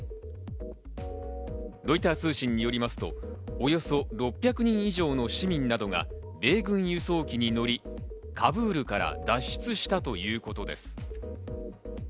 ロイター通信によりますと、およそ６００人以上の市民などが米軍輸送機に乗り、カブールから脱出したということです。